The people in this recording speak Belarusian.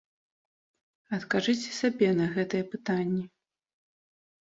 Адкажыце сабе на гэтыя пытанні.